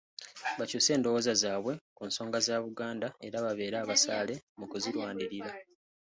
Bakyuse endowooza zaabwe ku nsonga za Buganda era babeere abasaale mu kuzirwanirira.